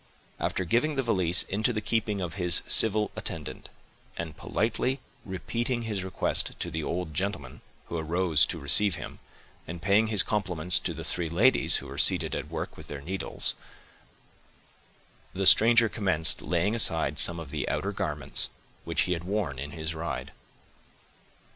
After giving the valise into the keeping of his civil attendant, and politely repeating his request to the old gentleman, who arose to receive him, and paying his compliments to the three ladies who were seated at work with their needles, the stranger commenced laying aside some of the outer garments which he had worn in his ride.